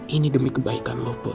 ini demi kebaikan lo put